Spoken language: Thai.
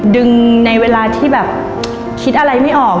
ในเวลาที่แบบคิดอะไรไม่ออก